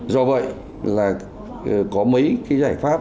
do vậy là có mấy cái giải pháp